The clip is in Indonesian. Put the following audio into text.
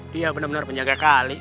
dia benar benar penjaga kali